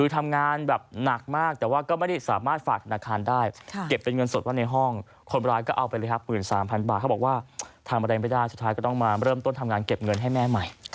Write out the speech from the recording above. ทำอะไรไม่ได้สุดท้ายก็ต้องมาเริ่มต้นทำงานเก็บเงินให้แม่ใหม่